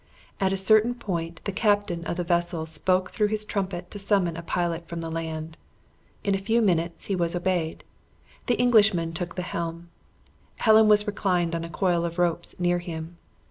At a certain point the captain of the vessel spoke through his trumpet to summon a pilot from the land. In a few minutes he was obeyed. The Englishman took the helm. Helen was reclined on a coil of ropes near him.